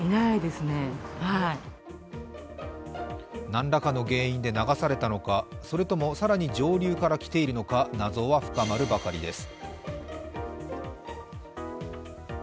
何らかの原因で流されたのか、それとも更に上流から来ているのか、謎は深まるばかりです。